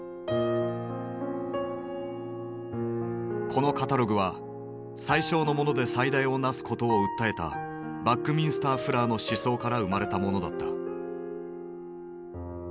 このカタログは「最小のもので最大をなす」ことを訴えたバックミンスター・フラーの思想から生まれたものだった。